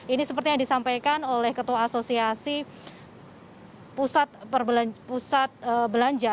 ini seperti yang disampaikan oleh ketua asosiasi pusat belanja